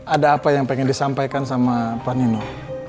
ada apa yang pengen disampaikan sama pak dino